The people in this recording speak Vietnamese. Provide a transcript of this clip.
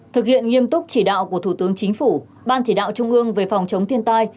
thực hiện nghiêm túc chỉ đạo của thủ tướng chính phủ ban chỉ đạo trung ương về phòng chống thiên tai